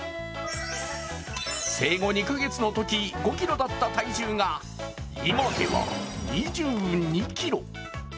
生後２か月のとき、５ｋｇだった体重が今では２２ｋｇ。